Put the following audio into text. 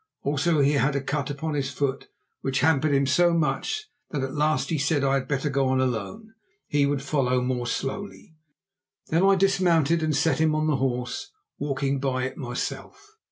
Also he had a cut upon his foot which hampered him so much that at last he said I had better go on alone; he would follow more slowly. Then I dismounted and set him on the horse, walking by it myself.